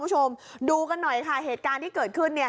หน่อยเหตุการณ์ที่เกิดขึ้น